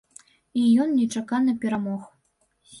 І ён нечакана перамог.